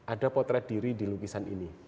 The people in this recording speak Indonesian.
ada potret diri di lukisan ini